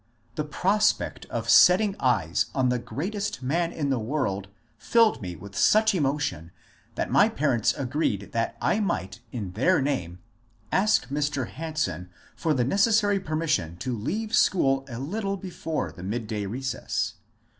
The prospect of setting eyes on the greatest man in the world filled me with such emotion that my parents agreed that I might in their name ask Mr. Hanson for the necessary permission to leave school a little before the midday recess.